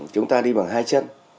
chúng ta đi bằng hai chân